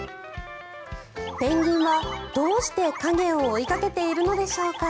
ペンギンはどうして影を追いかけているのでしょうか。